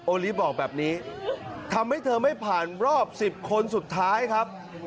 ลิฟบอกแบบนี้ทำให้เธอไม่ผ่านรอบ๑๐คนสุดท้ายครับ